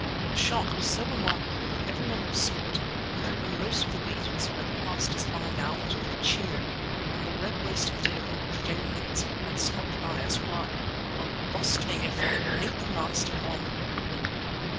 The shot was so remarkable that everyone who saw it, including most of the beaters, who had passed us by now, uttered a cheer, and the red waistcoated old Jenkins, who had stopped by us, remarked: "Well, bust me if that bain't a master one!"